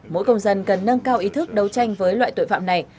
mỗi công dân cần nâng cao ý thức đấu tranh với loại tội phạm này